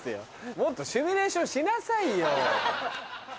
もっとシミュレーションしなさいよ。